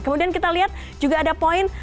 kemudian kita lihat juga ada poin